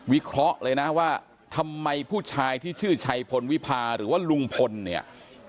เคราะห์เลยนะว่าทำไมผู้ชายที่ชื่อชัยพลวิพาหรือว่าลุงพลเนี่ย